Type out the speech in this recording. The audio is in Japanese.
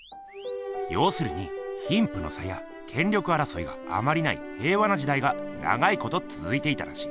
要するに貧富の差や権力争いがあまりない平和な時代が長いことつづいていたらしい。